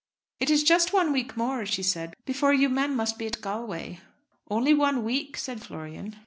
"It is just one week more," she said, "before you men must be at Galway." "Only one week," said Florian.